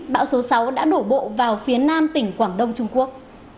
bão số sáu đã đổ bộ vào phía nam tỉnh quảng đông trung quốc